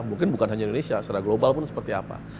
mungkin bukan hanya indonesia secara global pun seperti apa